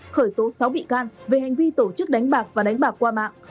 khởi tố sáu bị can về hành vi tổ chức đánh bạc và đánh bạc qua mạng